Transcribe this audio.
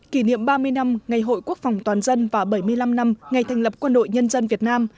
kỷ niệm ba mươi năm ngày hội quốc phòng toàn dân và bảy mươi năm năm ngày thành lập quân đội nhân dân việt nam